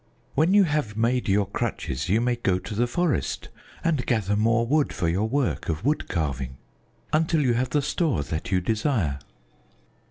When you have made your crutches, you may go to the forest and gather more wood for your work of wood carving, until you have the store that you desire."